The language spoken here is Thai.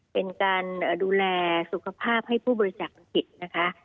เป็นการดูแลสุขภาพให้ผู้บริจาคโลหิตนะคะ